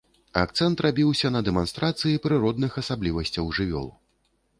Акцэнт рабіўся на дэманстрацыі прыродных асаблівасцяў жывёл.